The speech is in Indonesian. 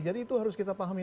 jadi itu harus kita pahami